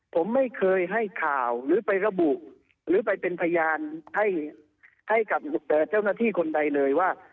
ผมไม่เคยให้ข่าวหรือไประบุหรือไปเป็นพยานให้กับเจ้าหน้าที่คนใดเลยว่า